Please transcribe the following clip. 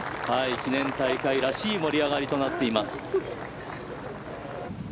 記念大会らしい盛り上がりとなっています。